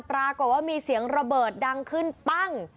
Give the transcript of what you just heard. ปรากฏว่ามีเสียงระเบิดดังขึ้นปั้ง